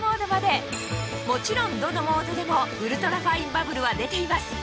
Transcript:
もちろんどのモードでもウルトラファインバブルは出ています